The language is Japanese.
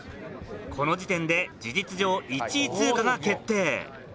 この時点で事実上１位通過が決定。